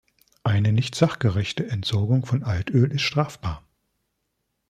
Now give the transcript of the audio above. Eine nicht sachgerechte Entsorgung von Altöl ist strafbar.